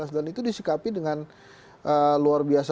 dan itu disikapi dengan luar biasa